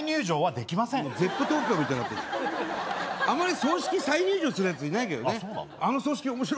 あまり葬式再入場するやついないけどね。